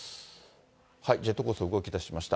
ジェットコースター、動きだしました。